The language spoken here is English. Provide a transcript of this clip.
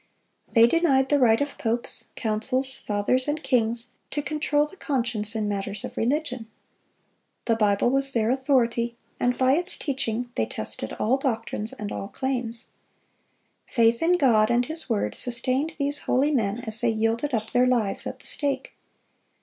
They denied the right of popes, councils, Fathers, and kings, to control the conscience in matters of religion. The Bible was their authority, and by its teaching they tested all doctrines and all claims. Faith in God and His word sustained these holy men as they yielded up their lives at the stake.